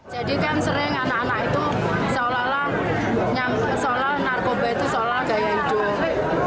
seolah olah narkoba itu seolah gaya hidup